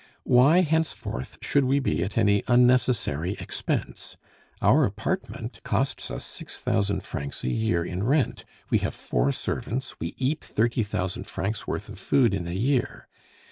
Why, henceforth, should we be at any unnecessary expense? Our apartment costs us six thousand francs a year in rent, we have four servants, we eat thirty thousand francs' worth of food in a year.